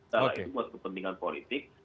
salah itu buat kepentingan politik